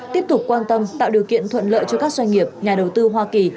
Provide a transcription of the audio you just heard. tiếp tục quan tâm tạo điều kiện thuận lợi cho các doanh nghiệp nhà đầu tư hoa kỳ